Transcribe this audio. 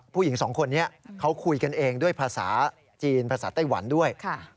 ผู้หญิงสองคนนี้เขาคุยกันเองด้วยภาษาจีนภาษาไต้หวันด้วย